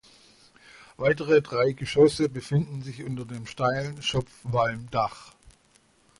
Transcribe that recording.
Weitere drei Geschosse befinden sich unter dem steilen Schopfwalmdach.